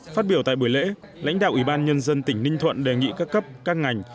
phát biểu tại buổi lễ lãnh đạo ủy ban nhân dân tỉnh ninh thuận đề nghị các cấp các ngành